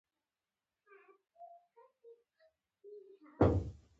خو داسې ونه شول.